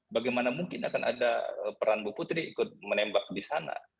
bagaimana mungkin akan ada peran bu putri ikut menembak di sana